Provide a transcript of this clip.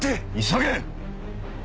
急げ！